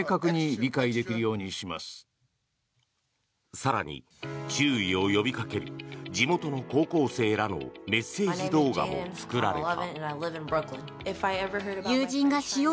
更に、注意を呼びかける地元の高校生らのメッセージ動画も作られた。